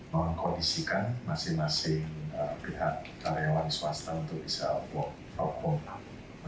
mengkondisikan masing masing pihak karyawan swasta untuk bisa work from home